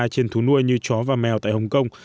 trên thú nuôi như chó và mèo tại hồng kông